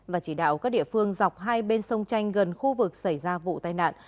và chỉ đạo các địa phương dọc hai bên sông chanh gần khu vực xảy ra vụ tai nạn